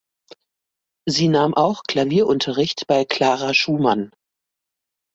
Sie nahm auch Klavierunterricht bei Clara Schumann.